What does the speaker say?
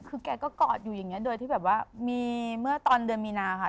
คือแกก็กอดอยู่อย่างนี้โดยที่แบบว่ามีเมื่อตอนเดือนมีนาค่ะ